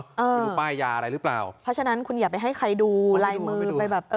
ไม่รู้ป้ายยาอะไรหรือเปล่าเพราะฉะนั้นคุณอย่าไปให้ใครดูลายมือไปแบบเออ